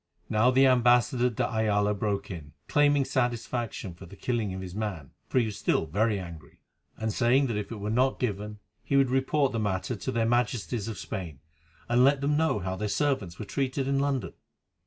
Now the ambassador de Ayala broke in, claiming satisfaction for the killing of his man, for he was still very angry, and saying that if it were not given, he would report the matter to their Majesties of Spain, and let them know how their servants were treated in London.